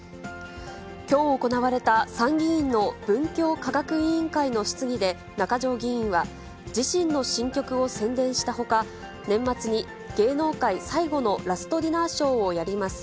きょう行われた参議院の文教科学委員会の質疑で、中条議員は、自身の新曲を宣伝したほか、年末に芸能界最後のラストディナーショーをやります。